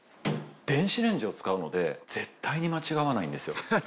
電子レンジを使うので絶対に間違わないんですよ。